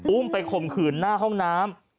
อุ้มไปข่มขืนหน้าห้องน้ำ